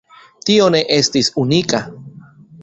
Tio ne estis unika.